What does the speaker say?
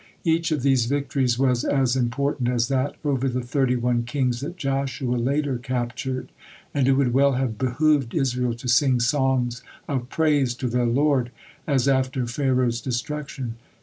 Each of these victories was as important as that over the thirty one kings that Joshua later captured, and it would well have behooved Israel to sing songs of praise to their Lord as after Pharaoh's destruction.